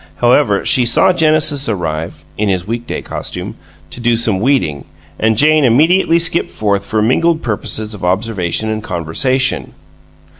However, she saw Genesis arrive (in his weekday costume) to do some weeding, and Jane immediately skip forth for mingled purposes of observation and conversation.